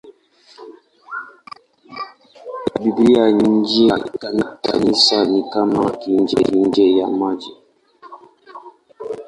Biblia nje ya Kanisa ni kama samaki nje ya maji.